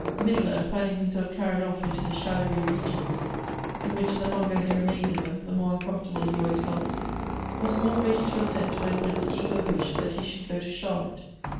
"~ Mittler, finding himself carried off" into the shadowy I'cgions, in which the longer he remained in them, the more uncomfortable he always felt, was the more ready to assent to Edward's eager wish that he should go to Charlotte.